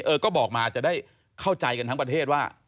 เออก็บอกมาจะได้เข้าใจกันทั้งประเทศว่า